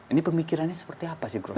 ini pemikirannya seperti apa sih gross plate